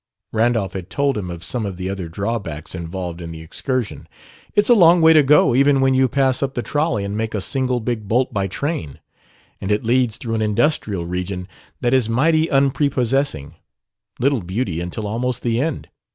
Randolph had told him of some of the other drawbacks involved in the excursion. "It's a long way to go, even when you pass up the trolley and make a single big bolt by train. And it leads through an industrial region that is mighty unprepossessing little beauty until almost the end.